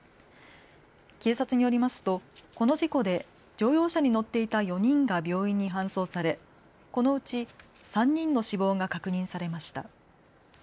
警察によりますと、この事故で乗用車に乗っていた４人が病院に搬送されこのうち３人の死亡が確認されました。